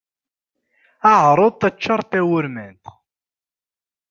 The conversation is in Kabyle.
Ɛṛeḍ taččart tawurmant.